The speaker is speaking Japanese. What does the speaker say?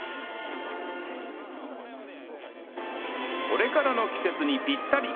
これからの季節にぴったり！